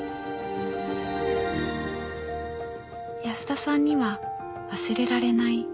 安田さんには忘れられない